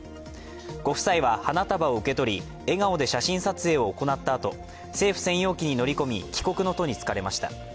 ご夫妻は花束を受け取り笑顔で写真撮影を行ったあと政府専用機に乗り込み帰国の途につかれました。